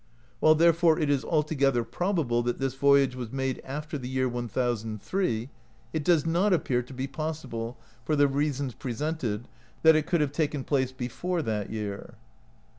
While therefore it is altogether probable that this voyage was made after the year 1003, it does not appear to be possi ble, fqr the reasons presented, that it could have taken place before that year.